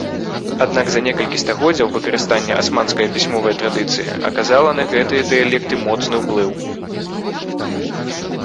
Аднак за некалькі стагоддзяў выкарыстання асманская пісьмовая традыцыя аказала на гэтыя дыялекты моцны ўплыў.